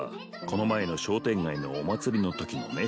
この前の商店街のお祭りのときのね